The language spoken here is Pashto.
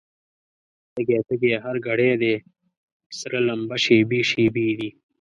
تږی، تږی هر ګړی دی، سره لمبه شېبې شېبې دي